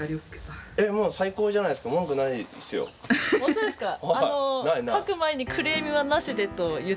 本当ですか？